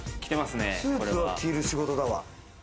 スーツを着る仕事だわ。